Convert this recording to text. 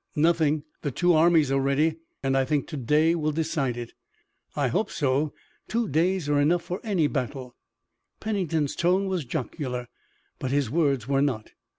"Nothing. The two armies are ready, and I think to day will decide it." "I hope so. Two days are enough for any battle." Pennington's tone was jocular, but his words were not.